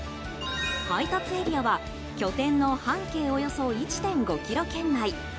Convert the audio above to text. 配達エリアは拠点の半径およそ１．５ｋｍ圏内。